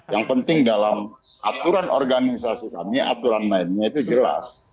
yang penting dalam aturan organisasi kami aturan mainnya itu jelas